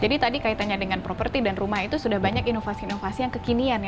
jadi tadi kaitannya dengan properti dan rumah itu sudah banyak inovasi inovasi yang kekinian